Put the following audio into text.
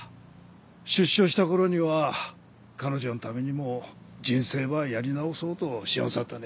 出所したころには彼女んためにも人生ばやり直そうとしよんさったで。